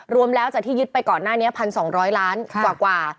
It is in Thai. รวมแล้วจากที่ยึดไปก่อนหน้านี้๑๒๐๐ล้านกว่า